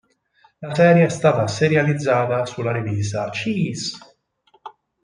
La serie è stata serializzata sulla rivista "Cheese!